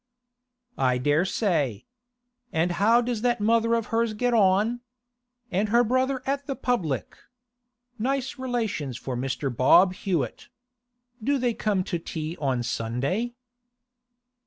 'I dare say. And how does that mother of hers get on? And her brother at the public? Nice relations for Mr. Bob Hewett. Do they come to tea on a Sunday?